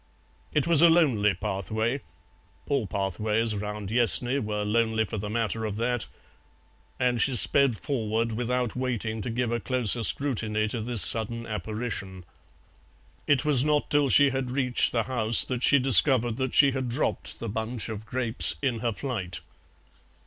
It was a lonely pathway, all pathways round Yessney were lonely for the matter of that, and she sped forward without waiting to give a closer scrutiny to this sudden apparition. It was not till she had reached the house that she discovered that she had dropped the bunch of grapes in her flight.